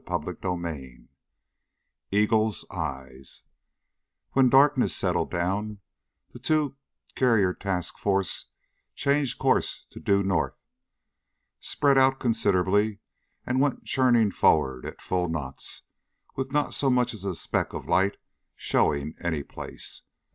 CHAPTER EIGHT Eagle's Eyes When darkness settled down, the two carrier task force changed course to due north, spread out considerably, and went churning forward at full knots, and with not so much as a speck of light showing any place.